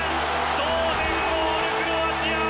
同点ゴール、クロアチア。